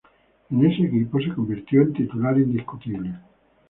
En este equipo se convirtió en titular indiscutible.